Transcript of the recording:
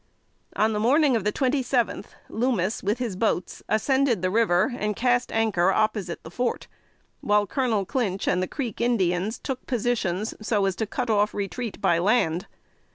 On the morning of the twenty seventh, Loomis, with his boats, ascended the river and cast anchor opposite the fort, while Colonel Clinch and the Creek Indians took positions so as to cut off retreat by land.